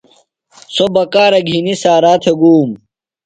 سو بکارہ گِھینی سارا تھےۡ گوم۔